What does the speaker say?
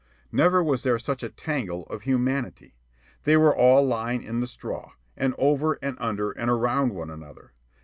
Never was there such a tangle of humanity. They were all lying in the straw, and over, and under, and around one another.